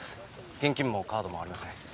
現金もカードもありません。